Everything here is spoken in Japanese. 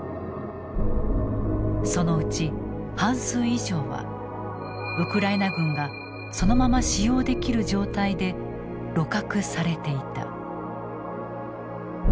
そのうち半数以上はウクライナ軍がそのまま使用できる状態で鹵獲されていた。